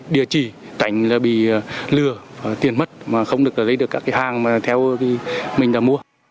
địa chỉ cảnh là bị lừa tiền mất mà không được lấy được các cái hàng mà theo mình đã mua